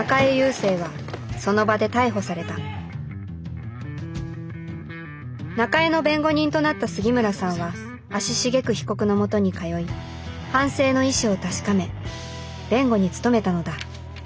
聖はその場で逮捕された中江の弁護人となった杉村さんは足しげく被告のもとに通い反省の意思を確かめ弁護に努めたのだ